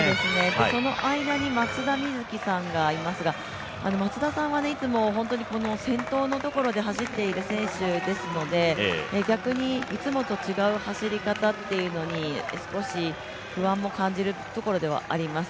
その間に松田瑞生さんがいますが、松田さんはいつも本当に先頭のところで走っている選手ですので、逆にいつもと違う走り方っていうのに、少し不安も感じるところではあります。